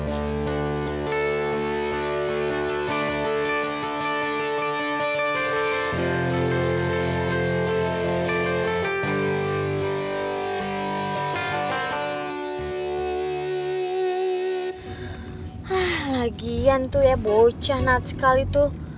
ah lagian tuh ya bocah natskal itu